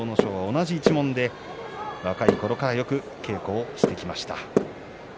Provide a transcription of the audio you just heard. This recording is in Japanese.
同じ一門で若いころからよく稽古してきました。